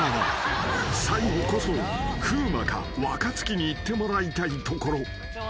［最後こそ風磨か若槻に行ってもらいたいところ］